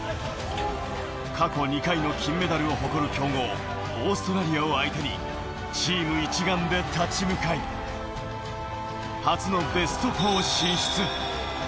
過去２回の金メダルを誇る強豪・オーストラリアを相手にチーム一丸で立ち向かい、初のベスト４進出。